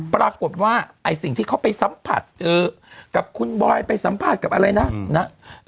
ปรากฏว่าไอ้สิ่งที่เขาไปสัมผัสกับคุณบอยไปสัมภาษณ์กับอะไรนะ